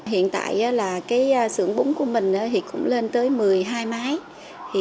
hiện tại sưởng bún của mình cũng lên tới một mươi hai máy